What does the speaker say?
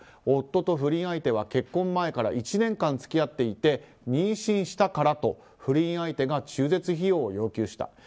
夫と不倫相手は結婚前から１年間付き合っていて妊娠したからと不倫相手が中絶費用を要求した。